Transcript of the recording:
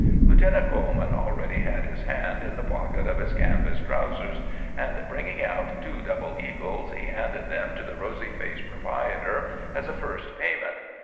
Lieutenant Coleman already had his hand in the pocket of his canvas trousers, and, bringing out two double eagles, he handed them to the rosy faced proprietor as a first payment.